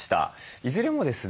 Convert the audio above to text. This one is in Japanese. いずれもですね